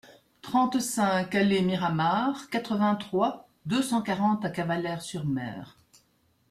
trente-cinq allée Miramar, quatre-vingt-trois, deux cent quarante à Cavalaire-sur-Mer